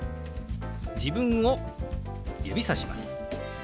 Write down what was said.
自分を指さします。